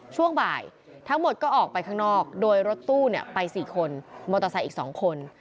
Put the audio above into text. ช่วงบ่ายทั้งหมดก็ออกไปข้างนอกโดยรถตู้ไป๔คนมอเตอร์ไซค์อีก๒คน